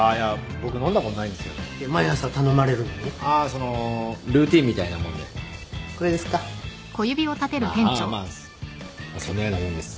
そんなようなもんです。